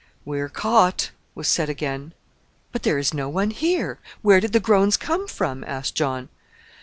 "We're caught!" was said again. "But there is no one here: where did the groans come from?" asked John.